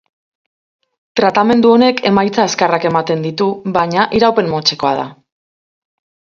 Tratamendu honek emaitza azkarrak ematen ditu, baina iraupen motzekoa da.